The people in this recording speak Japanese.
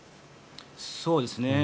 そうですね。